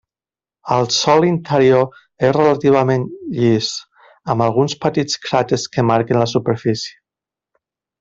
El sòl interior és relativament llis, amb alguns petits craters que marquen la superfície.